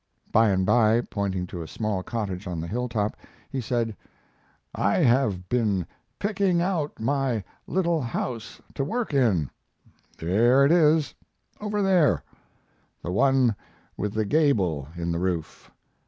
By and by, pointing to a small cottage on the hilltop, he said: "I have been picking out my little house to work in; there it is over there; the one with the gable in the roof.